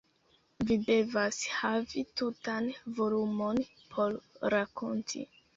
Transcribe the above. Vi devas havi tutan volumon por rakonti.